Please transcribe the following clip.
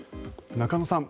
中野さん